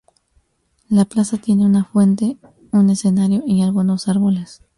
La plaza tiene una fuente, un escenario y algunos árboles.